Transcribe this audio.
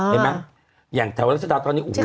เห็นมะอย่างแถวไปตรวจกันอยู่ใช่ไหมคะ